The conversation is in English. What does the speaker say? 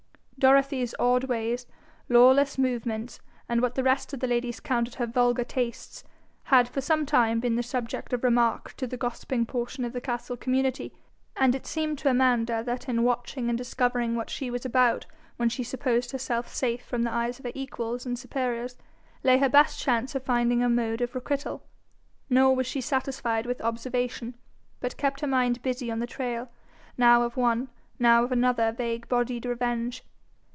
Dorothy's odd ways, lawless movements, and what the rest of the ladies counted her vulgar tastes, had for some time been the subject of remark to the gossiping portion of the castle community; and it seemed to Amanda that in watching and discovering what she was about when she supposed herself safe from the eyes of her equals and superiors, lay her best chance of finding a mode of requital. Nor was she satisfied with observation, but kept her mind busy on the trail, now of one, now of another vague bodied revenge.